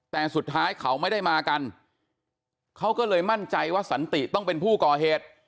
แต่สุดท้ายเขาไม่ได้มากันเขาก็เลยมั่นใจว่าสันติต้องเป็นผู้ก่อเหตุ